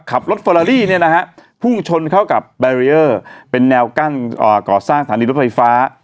ขับรถเฟอรารี่พูดชนเข้ากับเป็นแนวกั้นก่อสร้างฐานีรถไฟฟ้า